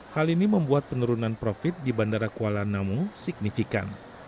hal ini membuat penurunan profit di bandara kuala namu signifikan